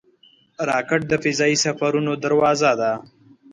راکټ د فضايي سفرونو دروازه ده